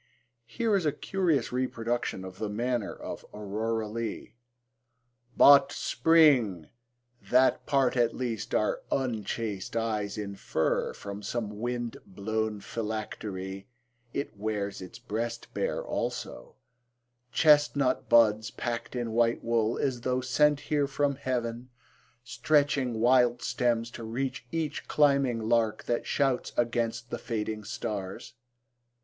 Here is a curious reproduction of the manner of Aurora Leigh: But Spring! that part at least our unchaste eyes Infer from some wind blown philactery, (It wears its breast bare also) chestnut buds, Pack'd in white wool as though sent here from heaven, Stretching wild stems to reach each climbing lark That shouts against the fading stars.